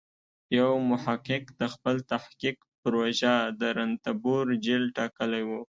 یو محقق د خپل تحقیق پروژه د رنتبور جېل ټاکلی و.